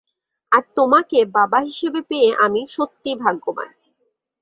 আর তোমাকে বাবা হিসেবে পেয়ে আমি সত্যিই ভাগ্যবান।